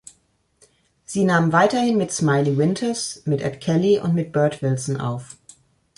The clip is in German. Sie nahm weiterhin mit Smiley Winters, mit Ed Kelly und mit Bert Wilson auf.